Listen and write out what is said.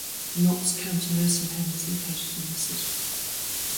The Knox County Nursing Home is located in the city.